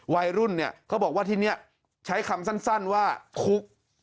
วัยรุ่นเนี่ยเขาบอกว่าที่นี่ใช้คำสั้นว่าคุก